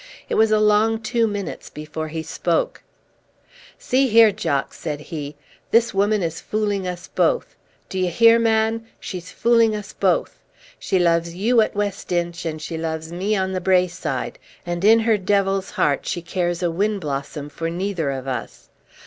It was a long two minutes before he spoke. "See here, Jock!" said he. "This woman is fooling us both. D'you hear, man? she's fooling us both! She loves you at West Inch, and she loves me on the braeside; and in her devil's heart she cares a whin blossom for neither of us.